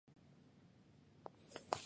报春茜为茜草科报春茜属下的一个种。